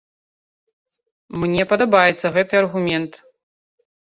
Мне падабаецца гэты аргумент.